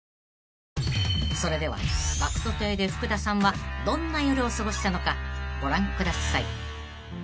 ［それではＧＡＣＫＴ邸で福田さんはどんな夜を過ごしたのかご覧ください］